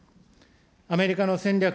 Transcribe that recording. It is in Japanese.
アメリカの戦略